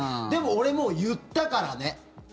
でも、俺、もう言ったからね。